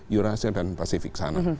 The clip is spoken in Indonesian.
eurasia dan pasifik sana